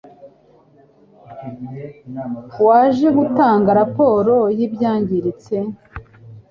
Waje gutanga raporo yibyangiritse?